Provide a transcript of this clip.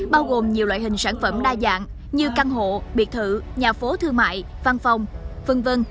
bao gồm nhiều loại hình sản phẩm đa dạng như căn hộ biệt thự nhà phố thương mại văn phòng v v